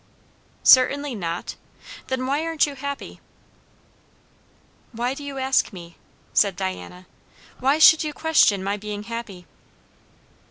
"Certainly not? then why aren't you happy?" "Why do you ask me?" said Diana. "Why should you question my being happy?"